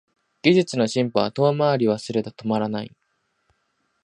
技術の進歩は遠回りはすれど止まらない